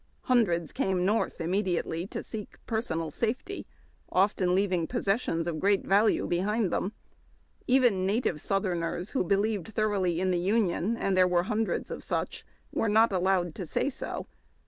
Hundreds came North im mediately to seek personal safety, often leaving jiossessions of great value behind them. Even native southerners who A GKOUI' OF SOUTIIKHNEUS DISCUSSING THE snTATION. believed thoroughly in the Union — and there were hun dreds of such — were not allowed to say so.